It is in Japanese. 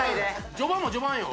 序盤も序盤よ。